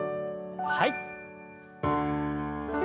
はい。